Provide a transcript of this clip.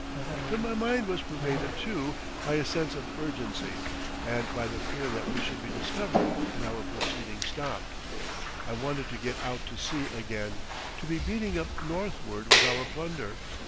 And my mind was pervaded, too, by a sense of urgency and by the fear that we should be discovered and our proceedings stopped. I wanted to get out to sea again—to be beating up northward with our plunder.